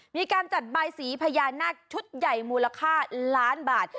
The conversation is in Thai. มีการจัดบายสีพญานาคชุดใหญ่มูลค่าล้านบาท